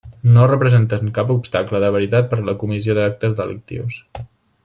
No representen cap obstacle de veritat per la comissió d'actes delictius.